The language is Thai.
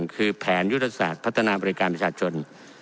คือแผนยุทธศาสตร์พัฒนาบริการประชาชน